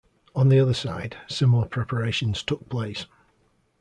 On the other side, similar preparations took place.